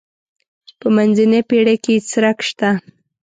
په منځنۍ پېړۍ کې یې څرک شته.